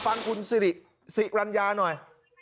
ฟังคุณสิริสิรัญญาหน่อย